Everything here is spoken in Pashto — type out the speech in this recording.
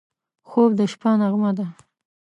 خوب د شپه نغمه ده